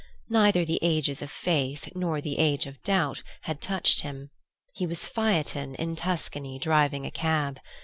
Neither the Ages of Faith nor the Age of Doubt had touched him; he was Phaethon in Tuscany driving a cab.